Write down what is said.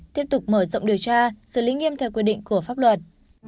tiếp tục mở rộng điều tra xử lý nghiêm theo quy định của pháp luật